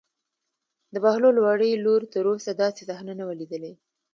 د بهلول وړې لور تر اوسه داسې صحنه نه وه لیدلې.